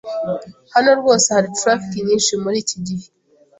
Hano rwose hari traffic nyinshi muri iki gihe.